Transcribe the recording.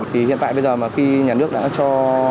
thì hiện tại bây giờ mà khi nhà nước đã cho